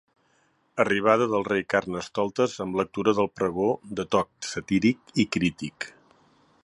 Arribada del rei Carnestoltes amb lectura del pregó de to satíric i crític.